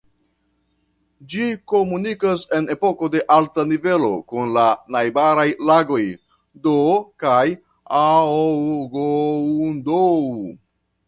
Ĝi komunikas en epoko de alta nivelo kun la najbaraj lagoj Do kaj Aougoundou.